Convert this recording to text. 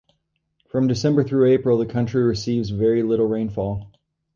From December through April, the country receives very little rainfall.